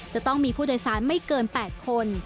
จะต้องมีผู้โดยสารไม่เกิน๘คน